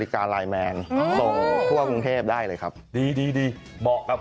ข้างบัวแห่งสันยินดีต้อนรับทุกท่านนะครับ